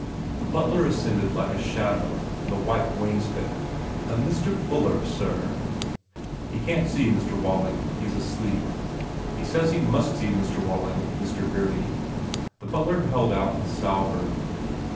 The butler ascended like a shadow on the white wainscot. "A Mr. Fuller, sir." "He can t see Mr. Walling. He s, asleep." "He says he must see Mr. Walling, Mr. Gurdy." The butler held out his salver.